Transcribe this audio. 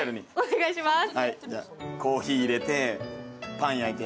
コーヒー入れて、パン焼いて。